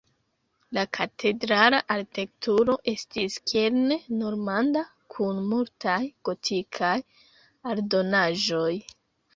La katedrala arkitekturo estis kerne normanda kun multaj gotikaj aldonaĵoj.